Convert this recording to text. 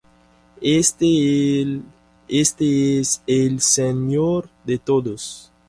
éste es el Señor de todos.